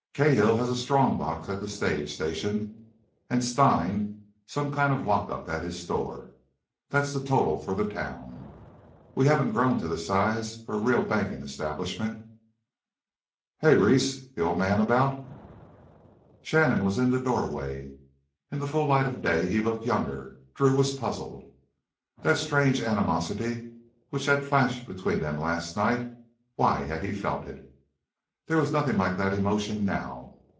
Cahill has a strongbox at the stage station, and Stein some kind of a lockup at his store—that's the total for the town. We haven't grown to the size for a real banking establishment—" "Hey, Reese, th' Old Man about—?" Shannon was in the doorway. In the full light of day he looked younger. Drew was puzzled. That strange animosity which had flashed between them last night—why had he felt it? There was nothing like that emotion now.